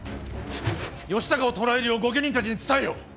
義高を捕らえるよう御家人たちに伝えよ。